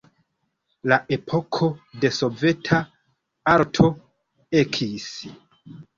La epoko de soveta arto ekis.